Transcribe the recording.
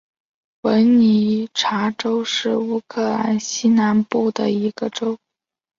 文尼察州是乌克兰西南部的一个州。